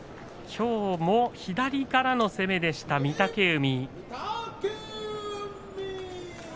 きょうも左からの攻めでした、御嶽海。